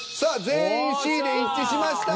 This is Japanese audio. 全員Ｃで一致しました。